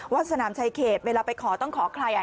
สนามชายเขตเวลาไปขอต้องขอใคร